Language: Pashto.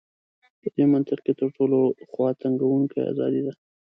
په دې منطق کې تر ټولو خواتنګوونکې ازادي ده.